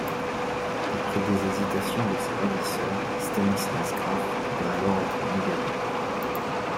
Après des hésitations de ses ravisseurs, Stanislas Graff va alors être libéré.